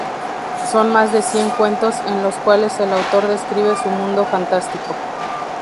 Son más de cien cuentos en los cuales el autor describe su mundo fantástico.